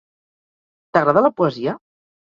T'agrada la poesia?